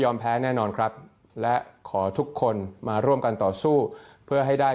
แพ้แน่นอนครับและขอทุกคนมาร่วมกันต่อสู้เพื่อให้ได้